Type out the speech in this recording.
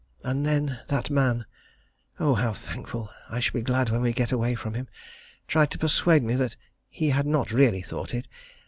And then that man oh! how thankful I shall be when we can get away from him tried to persuade me that he had not really thought it.